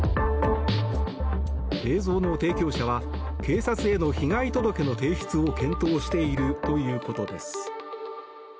映像の提供者は警察への被害届の提出を検討しているということです。